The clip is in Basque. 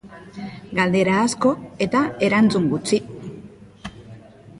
Galdera asko eta erantzun gutxi.